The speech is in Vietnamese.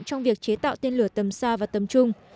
trong việc chế tạo tên lửa tầm xa và tầm trung